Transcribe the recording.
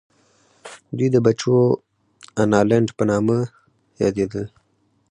دوی د بچوانالنډ په نامه یادېدل.